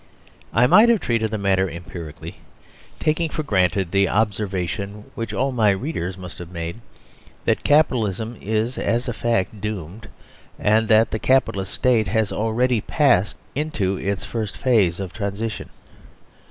I might have treated the matter empirically, taking for granted the observation which all my readers must have made, that Capitalism is as a fact doomed, and that the Capitalist State has already passed into its first phase of transition.